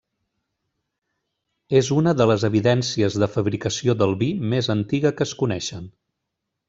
És una de les evidències de fabricació del vi més antiga que es coneixen.